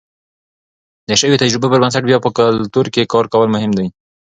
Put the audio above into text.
د شویو تجربو پر بنسټ بیا په کلتور کې کار کول مهم دي.